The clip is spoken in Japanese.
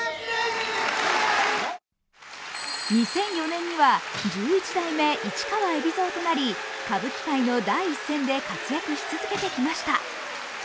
２００４年には十一代目市川海老蔵となり歌舞伎界の第一線で活躍し続けてきました。